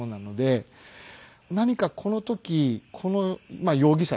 何かこの時このまあ容疑者ですね。